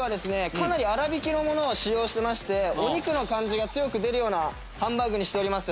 かなり粗挽きのものを使用してましてお肉の感じが強く出るようなハンバーグにしております。